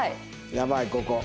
やばいここ。